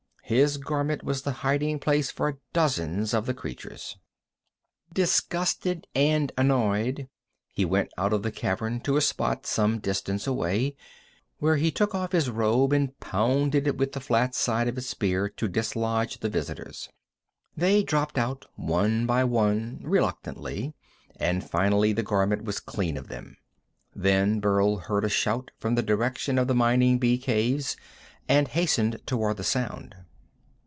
His garment was the hiding place for dozens of the creatures. Disgusted and annoyed, he went out of the cavern and to a spot some distance away, where he took off his robe and pounded it with the flat side of his spear to dislodge the visitors. They dropped out one by one, reluctantly, and finally the garment was clean of them. Then Burl heard a shout from the direction of the mining bee caves, and hastened toward the sound.